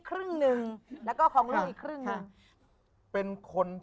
ครึ่งนึงแล้วก็ของลูกจะครึ่งเป็นคนที่